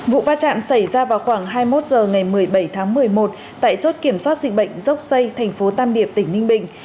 vụ va chạm xảy ra vào khoảng hai mươi một h ngày một mươi bảy tháng một mươi một tại chốt kiểm soát dịch bệnh dốc xây thành phố tam điệp tỉnh ninh bình